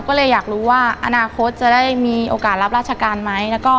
ก็เลยอยากรู้ว่าอนาคตจะได้มีโอกาสรับราชการไหม